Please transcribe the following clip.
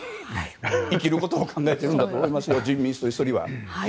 生きることを考えているんだと思いますよ、人民の人は。